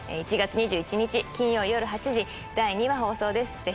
１月２１日金曜夜８時第２話放送です。